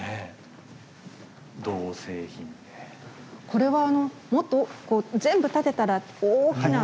これはもっと全部立てたら大きな。